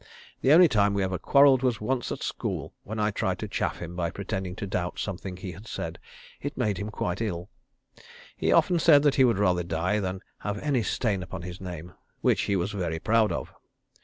The only time we ever quarrelled was once at school, when I tried to chaff him by pretending to doubt something he had said: it made him quite ill. He often said he would rather die than have any stain upon his name, which he was very proud of.